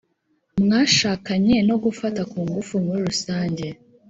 mwashakanye no gufata ku ngufu muri rusange